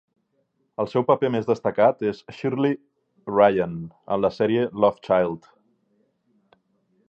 El seu paper més destacat és Shirley Ryan en la sèrie Love Child.